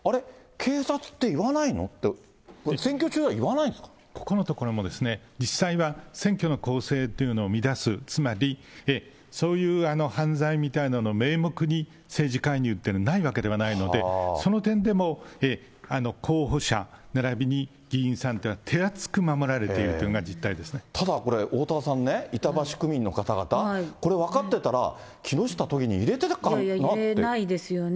警察って言わないのって、これ、ここのところも、実際は選挙の公正っていうのを乱す、つまり、そういう犯罪みたいなのを名目に政治介入っていうのがないわけではないので、その点でも、候補者ならびに議員さんというのは手厚く守られているというのがただこれ、おおたわさんね、板橋区民の方々、これ分かってたら、入れないですよね。